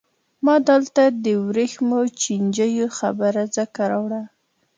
ما دلته د ورېښمو چینجیو خبره ځکه راوړه.